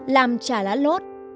làm trà lá lốt